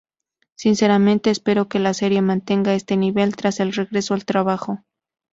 Sinceramente espero que la serie mantenga este nivel tras el regreso al trabajo".